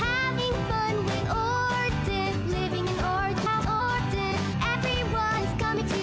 こんにちは。